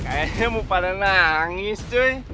kayaknya mau pada nangis tuh